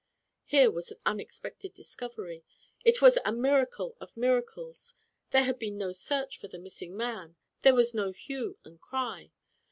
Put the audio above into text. Here was an unexpected discovery. It was a miracle of miracles. There had been no search for the missing man. There was no hue and cry.